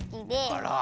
あら！